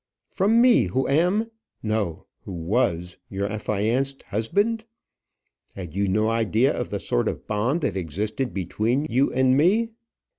from me who am no, who was, your affianced husband! Had you no idea of the sort of bond that existed between you and me?